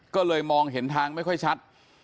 ก็เลยมองเห็นทางไม่ค่อยชัด